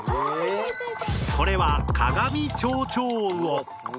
これはカガミチョウチョウウオ。